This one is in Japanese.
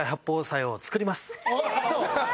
おっと！